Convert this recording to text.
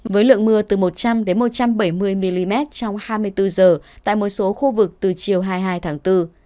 với lượng mưa từ một trăm linh một trăm bảy mươi mm trong hai mươi bốn h tại một số khu vực từ chiều hai mươi hai tháng bốn